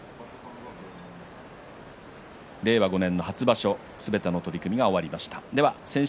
令和５年の初場所、すべての取組が終わりました。